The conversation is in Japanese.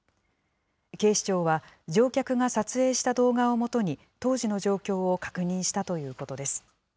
警視庁は、乗客が撮影した動画を基に、当時の状況を確認したということです。